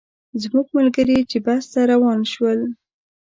زموږ ملګري چې بس ته روان شول.